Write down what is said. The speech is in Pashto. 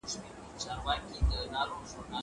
زه اوس د کتابتوننۍ سره خبري کوم!!